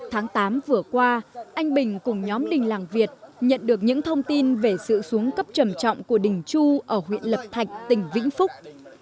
tháng tám vừa qua anh bình cùng nhóm đình làng việt nhận được những thông tin về sự xuống cấp trầm trọng của đình chu ở huyện lập thạch tỉnh vĩnh phúc